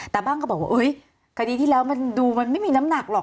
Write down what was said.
แต่บ้างก็บอกว่าคดีที่แล้วมันดูมันไม่มีน้ำหนักหรอก